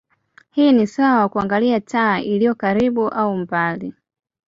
Hii ni sawa na kuangalia taa iliyo karibu au mbali.